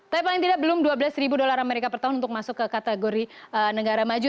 tapi paling tidak belum dua belas ribu dolar amerika per tahun untuk masuk ke kategori negara maju